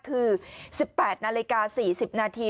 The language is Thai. คือ๑๘นาฬิกา๔๐นาที